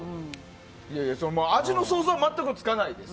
味の想像が全くつかないです。